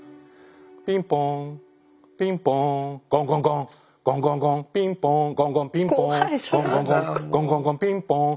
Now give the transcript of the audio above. ピンポーンピンポーンゴンゴンゴンゴンゴンゴンピンポーンゴンゴンピンポーンゴンゴンゴンゴンゴンゴンピンポーン。